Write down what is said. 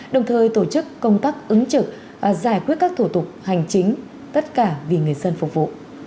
đồng thời tổ chức công tác ứng trực giải quyết các thủ tục hành chính tất cả vì người dân phục vụ